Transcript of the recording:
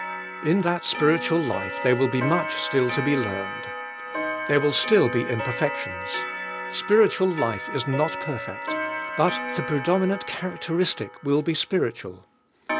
In that spiritual life there wall be much still to be learned. There will still be imperfections. Spiritual life is not perfect; but the predominant characteristic will be spiritual.